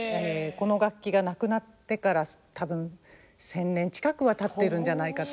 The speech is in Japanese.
この楽器がなくなってから多分１，０００年近くはたってるんじゃないかと。